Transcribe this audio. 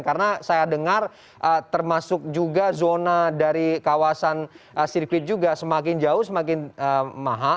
karena saya dengar termasuk juga zona dari kawasan sirkuit juga semakin jauh semakin mahal